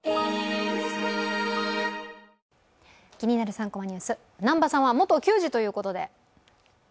３コマニュース」、南波さんは元球児ということで。